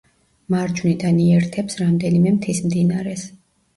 მარჯვნიდან იერთებს რამდენიმე მთის მდინარეს.